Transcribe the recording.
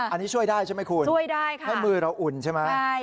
อันนี้ช่วยได้ใช่ไหมคุณช่วยได้ค่ะถ้ามือเราอุ่นใช่ไหม